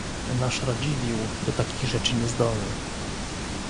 "Nasz Radziwiłł do takich rzeczy niezdolny."